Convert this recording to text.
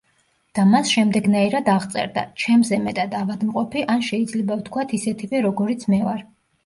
და მას შემდეგნაირად აღწერდა: „ჩემზე მეტად ავადმყოფი, ან შეიძლება ვთქვათ ისეთივე როგორიც მე ვარ“.